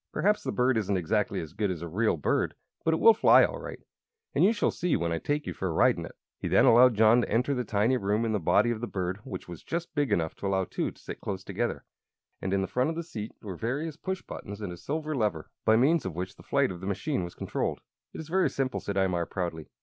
Perhaps the bird isn't exactly as good as a real bird, but it will fly all right, as you shall see when I take you for a ride in it." He then allowed John to enter the tiny room in the body of the bird, which was just big enough to allow two to sit close together. And in front of the seat were various push buttons and a silver lever, by means of which the flight of the machine was controlled. "It is very simple," said Imar, proudly.